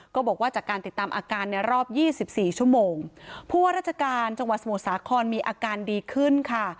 ก็บอกว่าจากการติดตามอาการในรอบยี่สิบสี่ชั่วโมงผู้ว่าราชการจังหวัดสมุทรสาครมีอาการดีขึ้นค่ะ